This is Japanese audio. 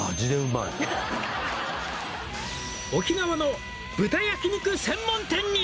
「沖縄の豚焼肉専門店に」